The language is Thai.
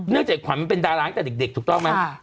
เนื่องจากความเป็นดาราตั้งแต่เด็กถูกต้องไหม